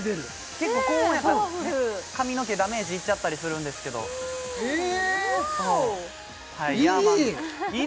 結構高温やと髪の毛ダメージいっちゃったりするんですけどへえいい！